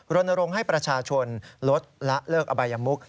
รณรงค์ให้ประชาชนลดละเลิกอบายมุก